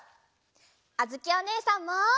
あづきおねえさんも！